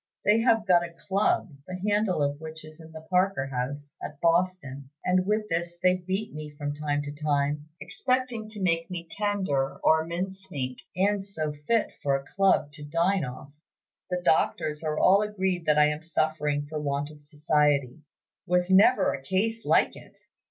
They have got a club, the handle of which is in the Parker House, at Boston, and with this they beat me from time to time, expecting to make me tender, or minced meat, and so fit for a club to dine off. The doctors are all agreed that I am suffering for want of society. Was never a case like it!